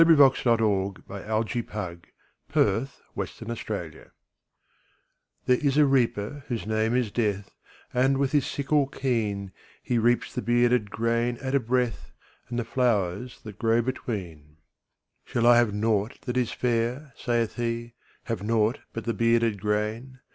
Henry Wadsworth Longfellow The Reaper And The Flowers THERE is a Reaper whose name is Death, And, with his sickle keen, He reaps the bearded grain at a breath, And the flowers that grow between. ``Shall I have nought that is fair?'' saith he; ``Have nought but the bearded grain?